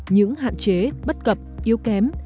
những hạn chế bất cập yếu kém